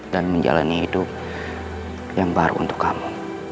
dan menjalani hidup yang baru untuk kamu